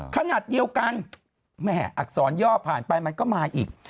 ขนาดเดียวกันแม่อักษรย่อผ่านไปมันก็มาอีก